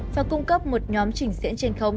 và cung cấp một nhóm trình diễn trên không